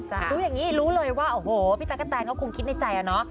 รู้อย่างนี้รู้เลยว่าโอ้โหพี่ตั๊กกะแตนก็คงคิดในใจอะเนาะ